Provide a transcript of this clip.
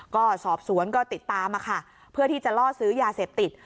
ก็สอบสวนก็ติดตามค่ะเพื่อที่จะล่อซื้อยาเสพติด